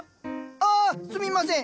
ああすみません。